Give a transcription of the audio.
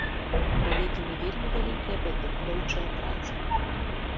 Праведзена вельмі вялікая падрыхтоўчая праца.